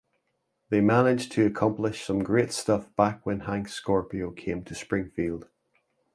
They managed to accomplish some great stuff back when Hank Scorpio came to Springfield.